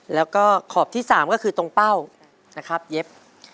แล้วก็ขอบที่๓ก็คือตรงเป้านะครับเย็บ